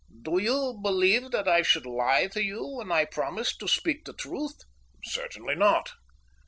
"Do you believe that I should lie to you when I promised to speak the truth?" "Certainly not."